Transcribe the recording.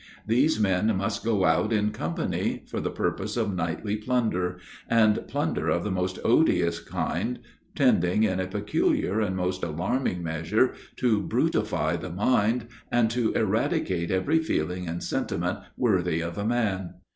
These men must go out in company for the purpose of nightly plunder, and plunder of the most odious kind, tending in a peculiar and most alarming measure to brutify the mind, and to eradicate every feeling and sentiment worthy of a man.